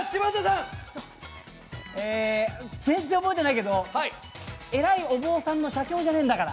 全然覚えてないけど偉いお坊さんの写経じゃねえんだから。